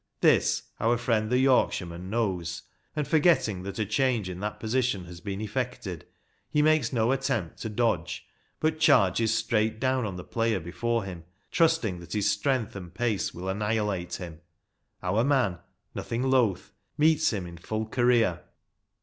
This our friend the Yorkshireman knows, and forgetting that a change in that position has been effected, he makes no attempt to dodge, but charges straight down on the player before him, trusting that his strength and pace will annihi late him. Our man, nothing loth, meets him in full career.